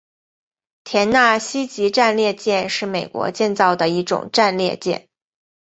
田纳西级战列舰是美国建造的一种战列舰。